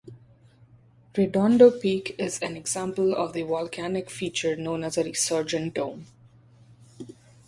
Redondo Peak is an example of the volcanic feature known as a resurgent dome.